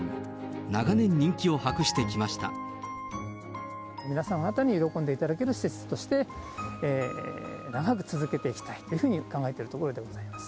長年、皆さん方に喜んでいただける施設として、長く続けていきたいというふうに考えておるところでございます。